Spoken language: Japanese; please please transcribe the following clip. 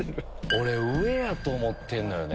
俺上やと思ってんのよね